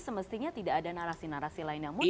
semestinya tidak ada narasi narasi lain yang muncul